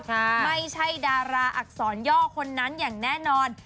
ไม่ใช่ดาราอักษรย่อคนนั้นอย่างแน่นอน